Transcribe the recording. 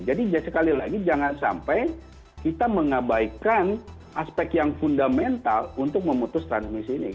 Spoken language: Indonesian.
jadi sekali lagi jangan sampai kita mengabaikan aspek yang fundamental untuk memutuskan pandemi ini